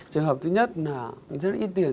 trường hợp thứ nhất là rất là ít tiền